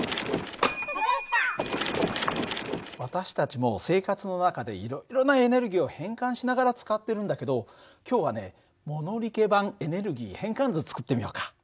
私たちも生活の中でいろいろなエネルギーを変換しながら使ってるんだけど今日はね物理家版エネルギー変換図作ってみようか。